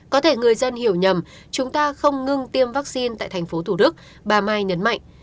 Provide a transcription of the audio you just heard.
có thể người dân hiểu nhầm chúng ta không ngưng tiêm vaccine tại tp hcm bà mai nhấn mạnh